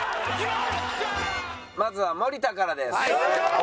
まずは森田からです。